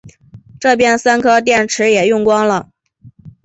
这边三颗电池也用光了